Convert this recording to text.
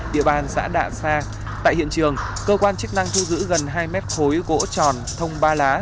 đã đạ xa tại hiện trường cơ quan chức năng thu giữ gần hai mét khối gỗ tròn thông ba lá